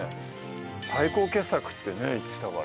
最高傑作ってね言ってたから。